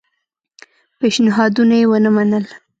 پېشنهادونه یې ونه منل.